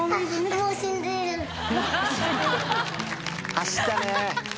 走ったね。